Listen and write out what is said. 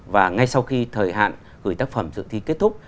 và ngay sau khi thời hạn gửi tác phẩm dự thi kết thúc